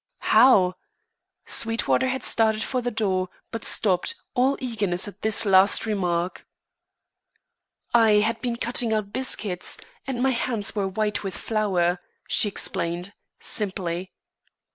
"How?" Sweetwater had started for the door, but stopped, all eagerness at this last remark. "I had been cutting out biscuits, and my hands were white with flour," she explained, simply.